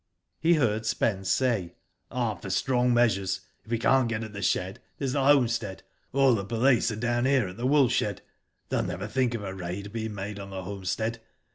He heard Spence say :" Tm for strong measures. If we can't get at the shed, there's the homestead. All the police are down here at the wool shed. They'll never think of a raid being made on the homestead.